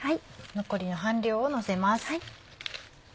残りの半量をのせます。